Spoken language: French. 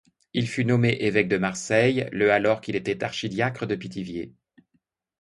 Il fut nommé évêque de Marseille le alors qu’il était archidiacre de Pithiviers.